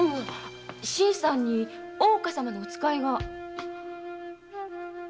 新さんに大岡様のお使いが。